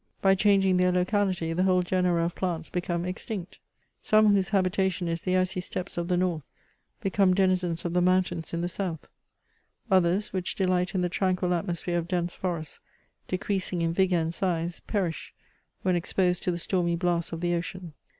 By chan^ng their locality, whole genera of plants become extinct ; some whose habitation is the icy Steppes of the North, become denizens of the mountains in the south ; others which delight in the tranquil at mosphere of dense forests, decreasing in vigour and size, perish when exposed to the stormy blasts of the ocean.